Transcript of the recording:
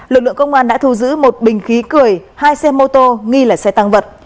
lực lượng công an đã thu giữ một bình khí cười hai xe mô tô nghi là xe tăng vật